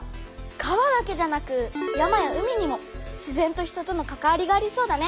川だけじゃなく山や海にも自然と人とのかかわりがありそうだね。